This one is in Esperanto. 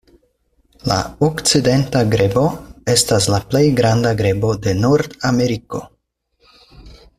La Okcidenta grebo estas la plej granda grebo de Nordameriko.